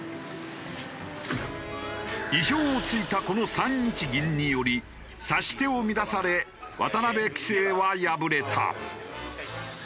意表を突いたこの３一銀により指し手を乱され渡辺棋聖は敗れた。